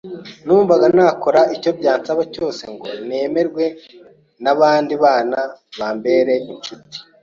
Numvaga nakora icyo byansaba cyose ngo nemerwe n’abandi bana bambere incuti.